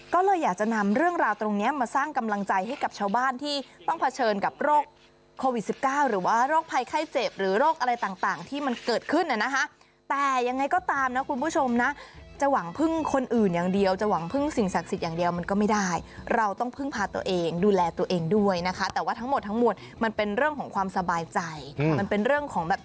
กำลังใจให้กับชาวบ้านที่ต้องเผชิญกับโรคโควิด๑๙หรือว่าโรคภัยไข้เจ็บหรือโรคอะไรต่างที่มันเกิดขึ้นนะคะแต่ยังไงก็ตามนะคุณผู้ชมนะจะหวังพึ่งคนอื่นอย่างเดียวจะหวังพึ่งสิ่งศักดิ์สิทธิ์อย่างเดียวมันก็ไม่ได้เราต้องพึ่งพาตัวเองดูแลตัวเองด้วยนะคะแต่ว่าทั้งหมดทั้งหมดมันเป็นเร